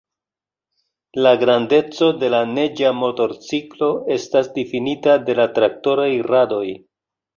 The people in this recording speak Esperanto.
La grandeco de la neĝa motorciklo estas difinita de la traktoraj radoj.